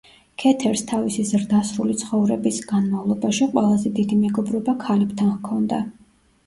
ქეთერს თავისი ზრდასრული ცხოვრების განმავლობაში, ყველაზე დიდი მეგობრობა ქალებთან ჰქონდა.